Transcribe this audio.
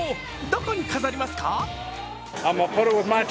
どこに飾りますか。